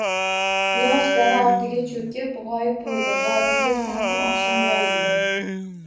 Quyosh dara ortiga choʼkib, gʼoyib boʼldi. Vodiyga salqin oqshom yoyildi.